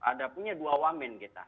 ada punya dua wamen kita